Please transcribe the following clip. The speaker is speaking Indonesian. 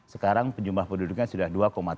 sekarang jumlah penduduknya sudah dua tujuh